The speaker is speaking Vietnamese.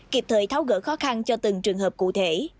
kịp thời tháo gỡ khó khăn cho từng trường hợp cụ thể